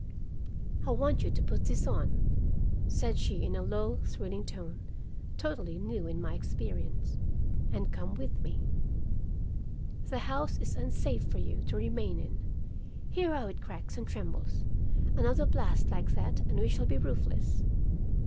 "'I want you to put this on,' said she in a low thrilling tone totally new in my experience, 'and come with me. The house is unsafe for you to remain in. Hear how it cracks and trembles. Another blast like that and we shall be roofless.